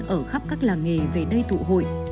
ở khắp các làng nghề về đây tụ hội